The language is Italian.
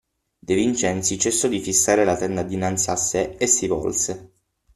De Vincenzi cessò di fissare la tenda dinanzi a sè e si volse.